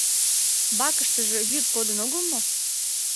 — Бакыштыже вӱд кодын огыл мо?